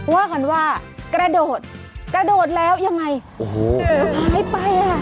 ว่ากันว่ากระโดดกระโดดแล้วยังไงโอ้โหหายไปอ่ะ